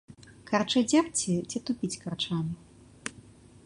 Карчы дзерці ці тупіць карчамі?